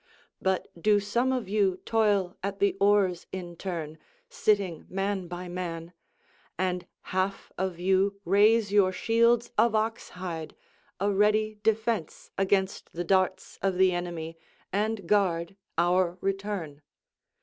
But do some of you toil at the oars in turn, sitting man by man; and half of you raise your shields of oxhide, a ready defence against the darts of the enemy, and guard our return.